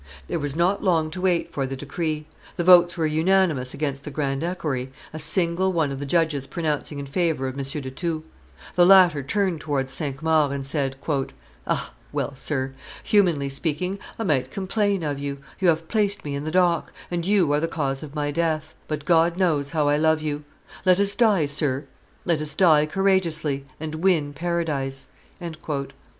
There was not long to wait for the decree; the votes were unanimous against the grand equerry, a single one of the judges pronouncing in favor of M. de Thou. The latter turned towards Cinq Mars, and said, "Ah! well, sir; humanly speaking, I might complain of you; you have placed me in the dock, and you are the cause of my death; but God knows how I love you. Let us die, sir, let us die courageously, and win Paradise."